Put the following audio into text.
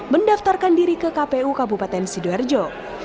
mendaftarkan diri ke kpu kabupaten sidoarjo